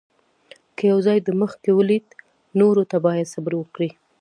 که یو ځای دې مخکې ولید، نورو ته باید صبر وکړې.